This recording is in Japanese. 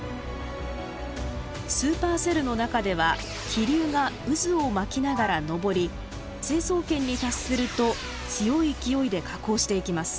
スーパーセルの中では気流が渦を巻きながら登り成層圏に達すると強い勢いで下降していきます。